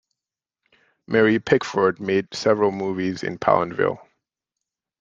Mary Pickford made several movies in Palenville.